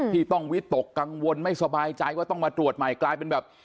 ที่ต้องวิตกกังวลไม่สบายใจว่าต้องมาตรวจใหม่กลายเป็นแบบ